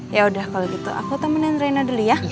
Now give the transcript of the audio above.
yaudah kalau gitu aku temenin reno dulu ya